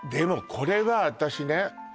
これは私ね